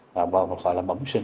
hoặc gọi là bấm sinh